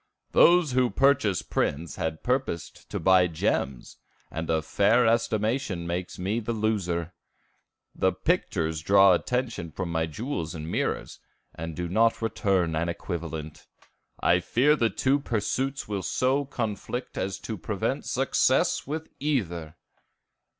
"Those who purchased prints had purposed to buy gems, and a fair estimation makes me the loser. The pictures draw attention from my jewels and mirrors, and do not return an equivalent. I fear the two pursuits will so conflict as to prevent success with either!"